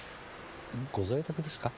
ご在宅ですか？